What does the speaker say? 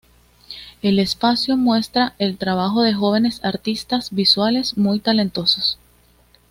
El espacio muestra el trabajo de jóvenes artistas visuales muy talentosos.